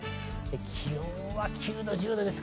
気温は９度、１０度です。